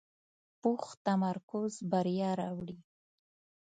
پوخ تمرکز بریا راوړي